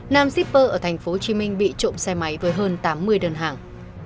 nam shipper ở tp hcm bị trộm xe máy với hơn tám mươi đơn hàng